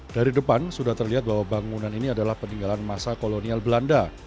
dari depan sudah terlihat bahwa bangunan ini adalah peninggalan masa kolonial belanda